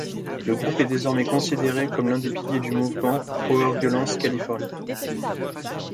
Le groupe est désormais considéré comme l'un des piliers du mouvement powerviolence californien.